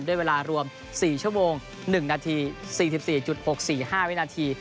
ด้วยเวลารวม๔ชั่วโมง๑นาที๔๔๖๔๕วินาที